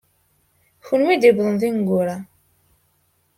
D kenwi ay d-yuwḍen d imeggura.